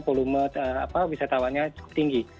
volume wisatawannya cukup tinggi